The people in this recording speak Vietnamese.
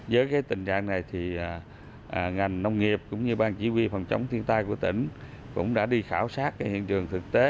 với tình trạng này ngành nông nghiệp cũng như bang chỉ huy phòng chống thiên tai của tỉnh cũng đã đi khảo sát hiện trường thực tế